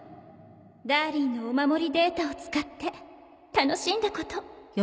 ダーリンのお守りデータを使って楽しんだこと